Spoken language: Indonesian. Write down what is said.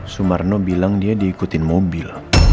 sumarno bilang dia diikutin mobil